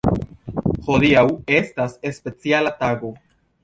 Hodiaŭ estas speciala tago.